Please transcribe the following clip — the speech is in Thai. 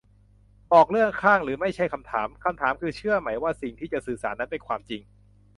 บอก เลือกข้างหรือไม่ใช่คำถาม; คำถามคือ เชื่อไหมว่าสิ่งที่จะสื่อสารนั้นเป็นความจริง